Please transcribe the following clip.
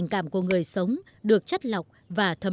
cái sự mình say mê